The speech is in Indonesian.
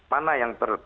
mana yang ter